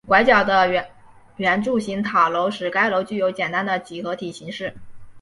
拐角的圆柱形塔楼使该楼具有简单的几何体形式。